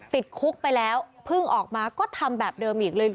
ติดคุกไปแล้วเพิ่งออกมาก็ทำแบบเดิมอีกเลย